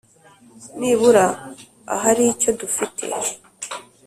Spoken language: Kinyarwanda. nibura aharicyo dufite